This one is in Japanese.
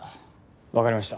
わかりました。